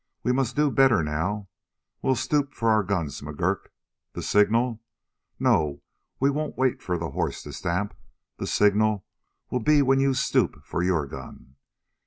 We must do better now. We'll stoop for our guns, McGurk. The signal? No, we won't wait for the horse to stamp. The signal will be when you stoop for your gun.